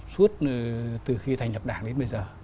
suốt từ khi thành lập đảng đến bây giờ